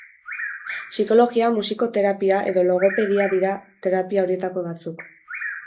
Psikologia, musikoterapia edo logopedia dira terapia horietako batzuk.